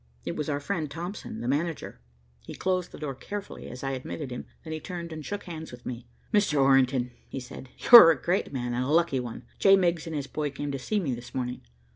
It was our friend Thompson, the manager. He closed the door carefully, as I admitted him. Then he turned and shook hands with me. "Mr. Orrington," he said, "you're a great man, and a lucky one. J. Miggs and his boy came to see me this morning."